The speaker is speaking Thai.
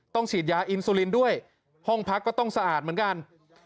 ฉีดยาอินซูลินด้วยห้องพักก็ต้องสะอาดเหมือนกัน